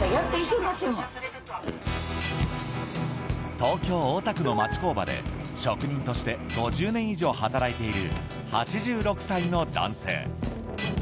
東京・大田区の町工場で職人として５０年以上働いている８６歳の男性。